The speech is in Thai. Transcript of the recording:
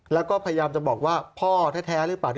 แล้วก็พยายามจะบอกว่าพ่อแท้หรือเปล่า